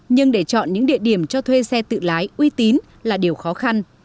nhưng để chọn những địa điểm cho thuê xe tự lái uy tín là điều khó khăn